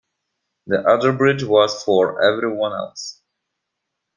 The other bridge was for everyone else.